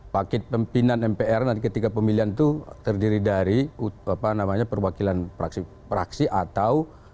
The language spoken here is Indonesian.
paket pimpinan mpr nanti ketika pemilihan itu terdiri dari perwakilan praksi atau